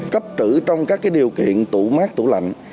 cấp trữ trong các điều kiện tủ mát tủ lạnh